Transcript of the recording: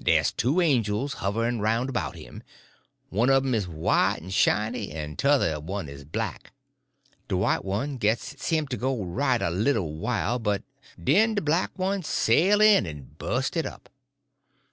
Dey's two angels hoverin' roun' 'bout him. One uv 'em is white en shiny, en t'other one is black. De white one gits him to go right a little while, den de black one sail in en bust it all up.